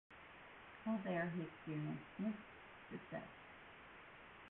While there, he experienced mixed success.